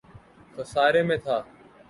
خسارے میں تھا